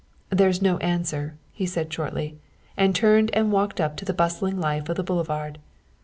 "There's no answer," he said shortly, and turned and walked up to the bustling life of the boulevard.